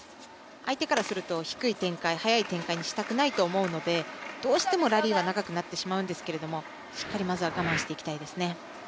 相手からすると低い展開、速い展開にしたくないと思うのでどうしてもラリーが長くなってしまうんですけれどもしっかり、まずは我慢していきたいですね。